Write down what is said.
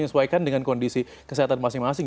menyesuaikan dengan kondisi kesehatan masing masing